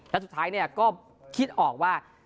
แล้วสุดท้ายเนี่ยก็คิดออกว่า